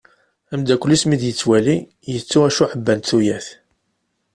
Ameddakel-is mi d-yettwali, yettu acu ɛebbant tuyat.